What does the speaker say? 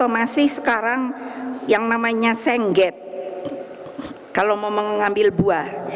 masih sekarang yang namanya sengget kalau mau mengambil buah